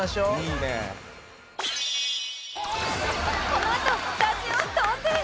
このあとスタジオ騒然！